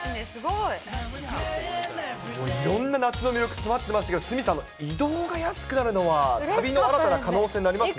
いろんな夏の魅力、詰まってましたけれども、鷲見さん、移動が安くなるのは、旅の新たな可能性になりますね。